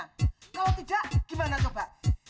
kalau tidak gimana coba